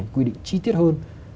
quy định chi tiết hơn